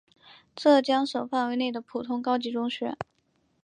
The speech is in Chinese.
浙江省范围内的普通高级中学。